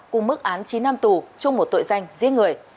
cùng mức án chín năm tù chung một tội danh giết người